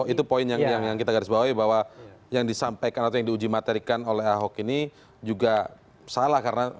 itu poin yang kita garis bawahi bahwa yang disampaikan atau yang diuji materikan oleh ahok ini juga salah karena